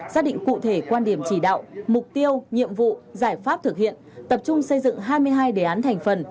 xác định cụ thể quan điểm chỉ đạo mục tiêu nhiệm vụ giải pháp thực hiện tập trung xây dựng hai mươi hai đề án thành phần